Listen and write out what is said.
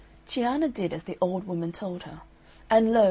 Cianna did as the old woman told her; and, lo!